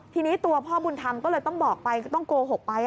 ทีนี้ตัวพ่อบุญธรรมก็เลยต้องบอกไปก็ต้องโกหกไป